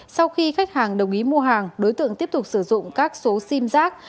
sau khi khách hàng đồng ý mua hàng đối tượng tiếp tục sử dụng các số sim giác